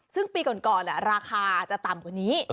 ซึ่งปีก่อนราคาจะต่ำกว่านี้